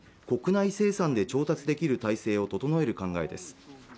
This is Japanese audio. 国内生産で調達できる体制を整える考えです